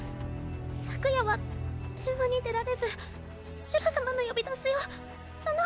昨夜は電話に出られずシュラさまの呼び出しをその。